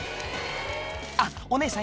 あっお姉さん